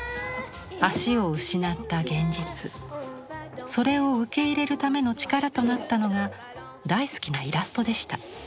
足を失った現実それを受け入れるための力となったのが大好きなイラストでした。